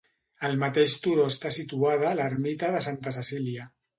Al mateix turó està situada l'ermita de Santa Cecília.